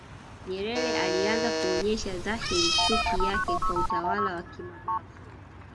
Nyerere alianza kuonyesha dhahiri chuki yake kwa utawala wa kimabavu